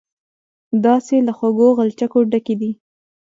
داسې له خوږو غلچکو ډکې دي.